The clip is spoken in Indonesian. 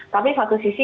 tapi di satu sisi